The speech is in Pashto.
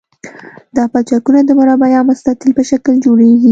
دا پلچکونه د مربع یا مستطیل په شکل جوړیږي